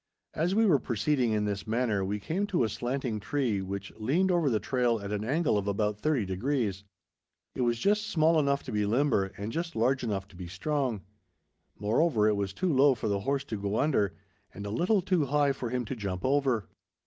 As we were proceeding in this manner, we came to a slanting tree which leaned over the trail at an angle of about thirty degrees. It was just small enough to be limber, and just large enough to be strong. Moreover, it was too low for the horse to go under, and a little too high for him to jump over.